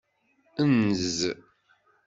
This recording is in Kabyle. Enz.